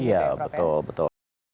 iya betul betul